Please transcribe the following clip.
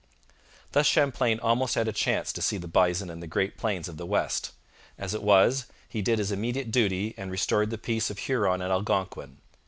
Thus Champlain almost had a chance to see the bison and the great plains of the West. As it was, he did his immediate duty and restored the peace of Huron and Algonquin.